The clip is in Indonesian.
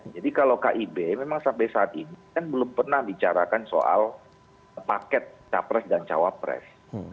jadi kalau kib memang sampai saat ini kan belum pernah bicarakan soal paket capres dan cawapres